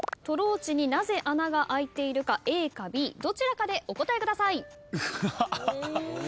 トローチになぜ穴が開いているかＡかＢどちらかでお答えください。